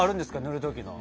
塗る時の。